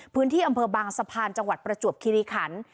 พื้นที่อำเภอบางสะพานจังหวัดประจวบคิริขัน